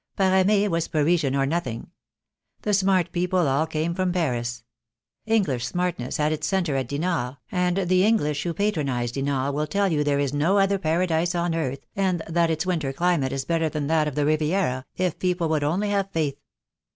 Parame was Parisian or nothing. The smart people all came from Paris. English smartness had its centre at Dinard, and the English who patronize Dinard will tell you there is no other paradise on earth, and that its winter climate is better than that of the Riviera, if people would only have faith.